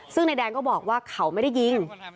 ซึ่งนายแดงก็บอกว่าเขาไม่ได้ยิง